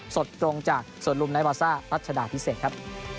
สดตรงจากสวนลุมไนวาซ่ารัชดาพิเศษครับ